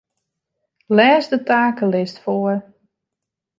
Lês de takelist foar.